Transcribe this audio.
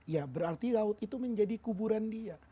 ya berarti laut itu menjadi kuburan dia